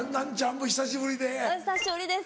お久しぶりです。